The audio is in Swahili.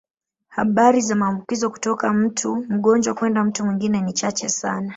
Habari za maambukizo kutoka mtu mgonjwa kwenda mtu mwingine ni chache sana.